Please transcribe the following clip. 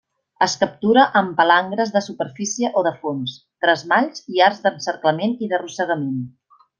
Es captura amb palangres de superfície o de fons, tresmalls i arts d'encerclament i d'arrossegament.